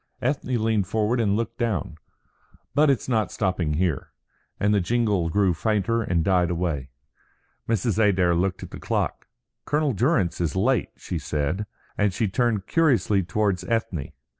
Ethne leaned forward and looked down. "But it's not stopping here;" and the jingle grew fainter and died away. Mrs. Adair looked at the clock. "Colonel Durrance is late," she said, and she turned curiously towards Ethne.